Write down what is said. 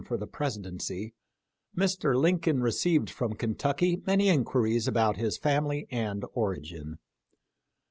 7 the Presidency Mr. Lincoln received from Kentucky many inquiries about his family and origin.